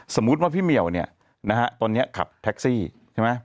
สมมุติว่าพี่เหมียวเนี่ยนะฮะตอนนี้ขับแท็กซี่ใช่ไหม